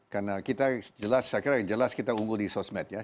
karena kita jelas saya kira jelas kita unggul di sosmed ya